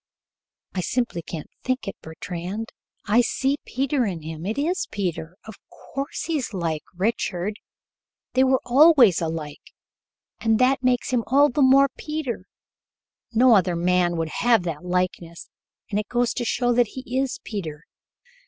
"I simply can't think it, Bertrand. I see Peter in him. It is Peter. Of course he's like Richard. They were always alike, and that makes him all the more Peter. No other man would have that likeness, and it goes to show that he is Peter."